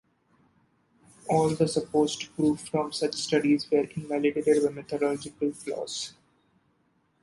All the supposed proofs from such studies were invalidated by methodological flaws.